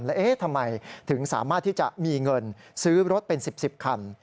แล้วทำไมถึงสามารถที่จะมีเงินซื้อรถเป็น๑๐๑๐คัน